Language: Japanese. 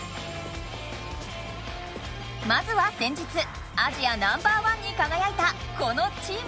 まずは先日アジアナンバーワンにかがやいたこのチームにしゅざいだ！